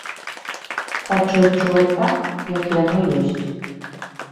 Хачу адчуваць так, як яно ёсць.